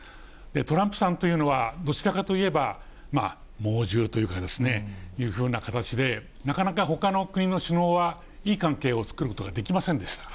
トランプさんというのは、どちらかといえば、猛獣というか、というふうな形で、ほかの国の首脳はいい関係を作ることができませんでした。